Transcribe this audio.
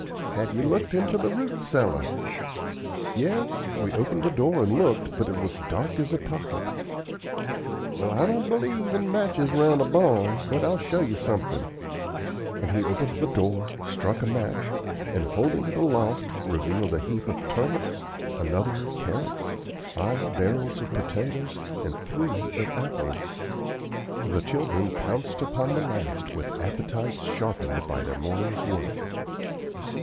Have you looked into the root cellar?" "Yes; we opened the door and looked, but it was dark as a pocket." "Well, I don't b'lieve in matches around a barn, but I'll show you something;" and he opened the door, struck a match, and, holding it aloft, revealed a heap of turnips, another of carrots, five barrels of potatoes, and three of apples. The children pounced upon the last with appetites sharpened by their morning's work.